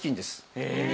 へえ！